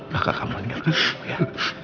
kakak kamu ingatkan aku ya